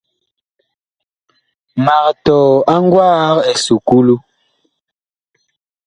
Mag tɔɔ a ngwaag esukulu.